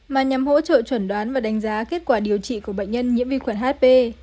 mà nhằm hỗ trợ chuẩn đoán và đánh giá kết quả điều trị của bệnh nhân nhiễm vi khuẩn hp